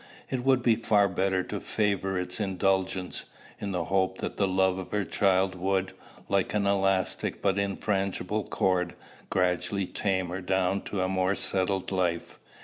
It would be far better to favor its indulgence, in the hope that the love of her child would, like an elastic but infrangible cord, gradually tame her down to a more settled life.